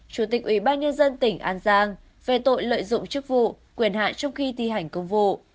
chủ tịch ủy ban nhân dân tỉnh an giang về tội lợi dụng chức vụ quyền hạn trong khi thi hành công vụ